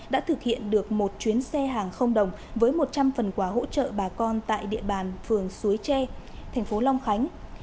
đã thực hiện được một chuyến xe hàng không đồng với một trăm linh phần quà hỗ trợ bà con tại địa bàn phường suối tre thành phố long khánh